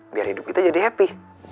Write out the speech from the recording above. biar hidup kita jadi happy